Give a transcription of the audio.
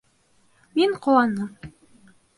Мин ҡоланым.